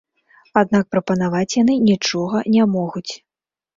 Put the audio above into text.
Аднак прапанаваць яны нічога не могуць.